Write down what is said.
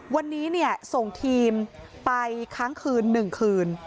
วันนี้ส่งทีมไปค้างคืน๑คืน